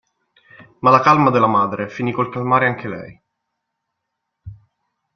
Ma la calma della madre finì col calmare anche lei.